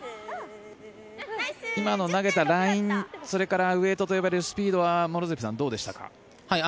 今の投げたラインそしてウェイトと呼ばれるスピードは両角さんどうでしたか？